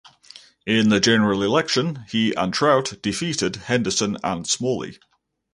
In the general election he and Trout defeated Henderson and Smalley.